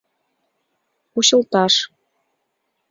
Кучылташ